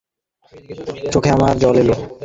চোখে আমার জল এল।